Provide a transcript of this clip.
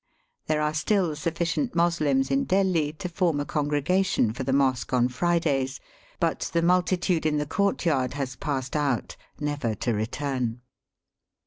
There are still suflScient Moslems in Delhi to form a congregation for the mosque on Fridays, but the multitude in the courtyard has passed out, never to return.